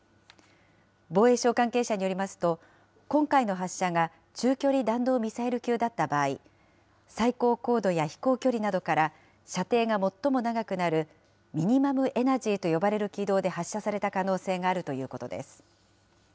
防衛省関係者によりますと、今回の発射が中距離弾道ミサイル級だった場合、最高高度や飛行距離などから、射程が最も長くなるミニマムエナジーと呼ばれる軌道で発射された可能性があるということです。